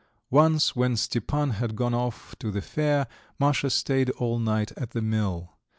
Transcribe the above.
Once, when Stepan had gone off to the fair, Masha stayed all night at the mill.